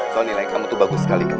soalnya kamu tuh bagus sekali kemaren